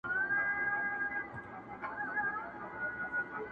• هسي نه زړه مي د هیلو مقبره سي..